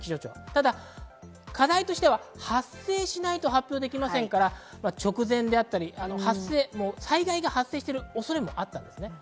ただ課題としては発生しないと発表できませんから、直前であったり、災害が発生している恐れもあったんです。